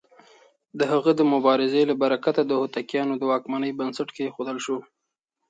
د هغه د مبارزې له برکته د هوتکيانو د واکمنۍ بنسټ کېښودل شو.